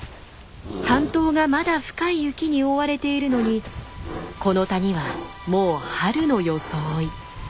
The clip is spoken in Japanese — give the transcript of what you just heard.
半島がまだ深い雪に覆われているのにこの谷はもう春の装い。